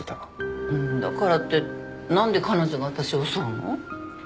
だからって何で彼女が私を襲うの？